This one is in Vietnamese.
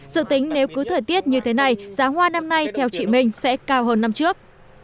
dự tính nếu cứ thời tiết như thế này giá hoa năm nay theo chị minh sẽ cao hơn năm trước